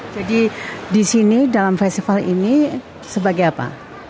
jadi di sini dalam festival ini sebagai apa